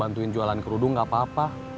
bantuin jualan kerudung gak apa apa